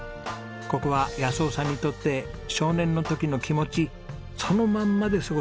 ここは夫さんにとって少年の時の気持ちそのまんまで過ごせる場所です。